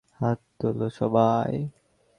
হাত তোলো সবাই!